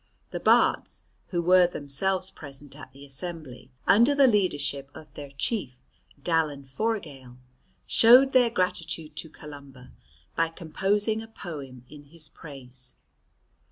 The Bards, who were themselves present at the assembly under the leadership of their chief, Dallan Forgaill, showed their gratitude to Columba by composing a poem in his praise.